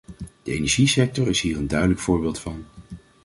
De energiesector is hier een duidelijk voorbeeld van.